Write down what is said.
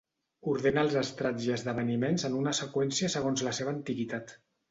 Ordena els estrats i esdeveniments en una seqüència segons la seva antiguitat.